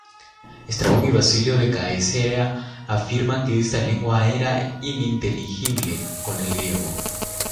Estrabón y Basilio de Caesarea afirman que esta lengua era ininteligible con el griego.